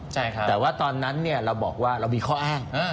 ใช่ครับแต่ว่าตอนนั้นเรามีข้ออ้าง